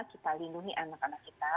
kita lindungi anak anak kita